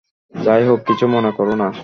যাই হোক, কিছু মনে করো না।